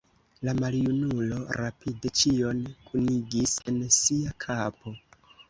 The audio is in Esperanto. La maljunulo rapide ĉion kunigis en sia kapo.